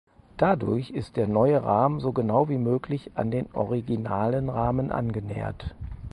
Dadurch ist der neue Rahmen so genau wie möglich an den originalen Rahmen angenähert.